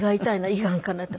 胃がんかなって。